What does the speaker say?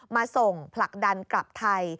มาส่งผลักดันกลับไทย